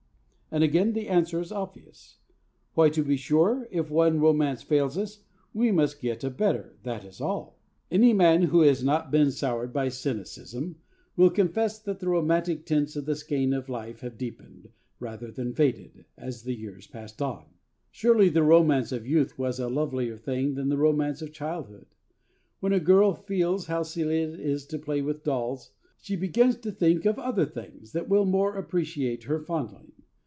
And again the answer is obvious. Why, to be sure, if one romance fails us, we must get a better, that is all! Any man who has not been soured by cynicism will confess that the romantic tints in the skein of life have deepened, rather than faded, as the years passed on. Surely, surely, the romance of youth was a lovelier thing than the romance of childhood! When a girl feels how silly it is to play with dolls, she begins to think of other things that will more appreciate her fondling.